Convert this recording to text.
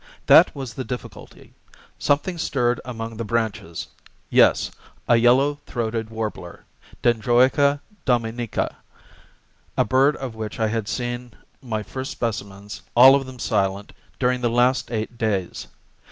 That was the difficulty. Something stirred among the branches. Yes, a yellow throated warbler (Dendroica dominica), a bird of which I had seen my first specimens, all of them silent, during the last eight days.